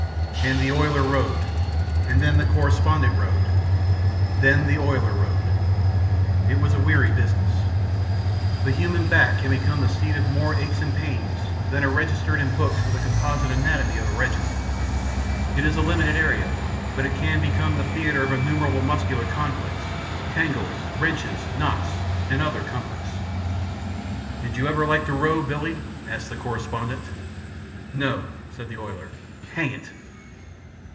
And the oiler rowed, and then the correspondent rowed. Then the oiler rowed. It was a weary business. The human back can become the seat of more aches and pains than are registered in books for the composite anatomy of a regiment. It is a limited area, but it can become the theatre of innumerable muscular conflicts, tangles, wrenches, knots, and other comforts. "Did you ever like to row, Billie?" asked the correspondent. "No," said the oiler. "Hang it!"